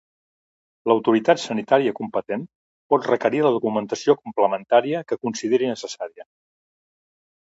L'autoritat sanitària competent pot requerir la documentació complementària que consideri necessària.